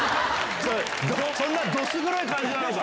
そんなどす黒い感じなのか。